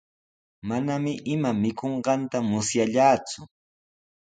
Manami ima mikunqanta musyallaaku.